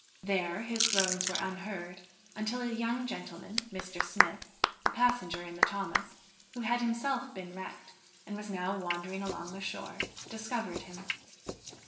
There his groans were unheard until a young gentleman, Mr. Smith, a passenger in the Thomas, who had himself been wrecked, and was now wandering along the shore, discovered him.